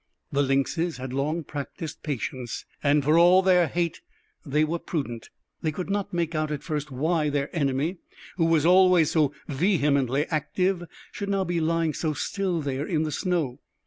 The lynxes had long practiced patience, and, for all their hate, they were prudent. They could not make out at first why their enemy, who was always so vehemently active, should now be lying so still there in the snow.